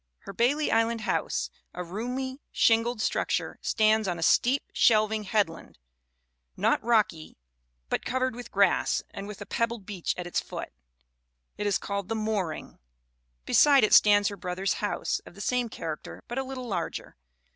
Her Bailey Island house, a roomy shingled structure, stands on a steep, shelving headland, not rocky but covered 274 THE WOMEN WHO MAKE OUR NOVELS with grass and with a pebbled beach at its foot. It is called The Mooring. Beside it stands her brother's house, of the same character but a little larger.